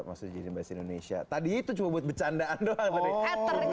maksudnya jadi bahasa indonesia tadi itu cuma buat bercandaan doang tadi hater